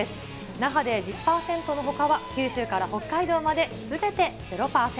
那覇で１０％のほかは、九州から北海道まですべて０％。